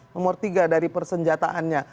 nomor tiga dari persenjataannya